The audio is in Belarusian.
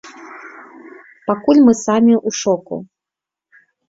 Пакуль мы самі ў шоку.